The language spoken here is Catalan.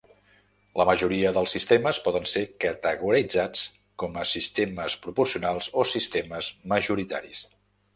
La majoria dels sistemes poden ser categoritzats com a sistemes proporcionals o sistemes majoritaris.